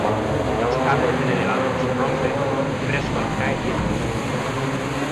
Los cables del elevador se rompen y Prescott cae diez pisos.